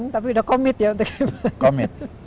tapi udah commit ya untuk kira kira